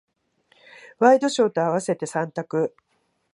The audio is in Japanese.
ワイドショーと合わせて三択。